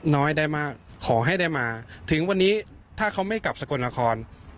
น้อยได้มากขอให้ได้มาถึงวันนี้ถ้าเขาไม่กลับสกลนคร